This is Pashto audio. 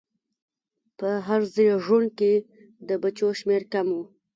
په هر زېږون کې د بچو شمېر کم و.